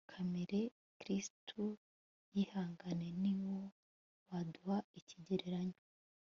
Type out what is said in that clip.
kamere Kristo yihanganiye ni wo waduha ikigereranyo